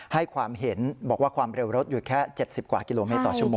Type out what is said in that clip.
ให้ความเห็นบอกว่าความเร็วรถอยู่แค่๗๐กว่ากิโลเมตรต่อชั่วโมง